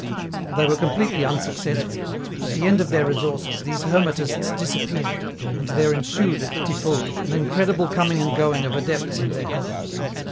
'" They were completely unsuccessful. At the end of their resources, these hermetists disappeared, and there ensued at Tiffauges an incredible coming and going of adepts and their helpers.